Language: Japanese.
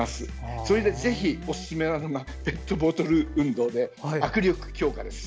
それでぜひおすすめなのがペットボトル運動で握力強化です。